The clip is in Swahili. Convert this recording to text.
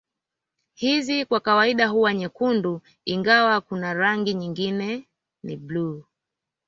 Hizi kwa kawaida huwa nyekundu ingawa kuna rangi nyingine ni blue